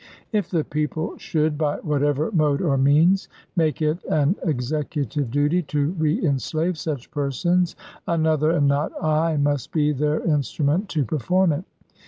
If the people should, by whatever mode or means, make it an Executive duty to reenslave such persons, another, and not I, must be their instru ment to perform it.